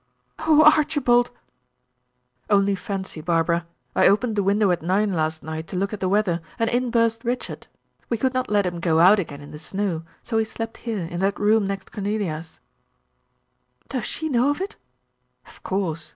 "Oh, Archibald!" "Only fancy, Barbara, I opened the window at nine last night to look at the weather, and in burst Richard. We could not let him go out again in the snow, so he slept here, in that room next Cornelia's." "Does she know of it?" "Of course.